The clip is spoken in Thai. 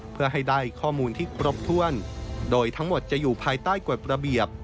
เพื่อให้ได้ข้อมูลที่ครบถ้วนโดยทั้งหมดจะอยู่ภายใต้กฎระเบียบ